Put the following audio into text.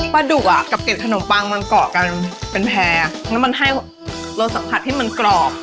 ดุอ่ะกับเด็ดขนมปังมันเกาะกันเป็นแพร่แล้วมันให้รสสัมผัสให้มันกรอบ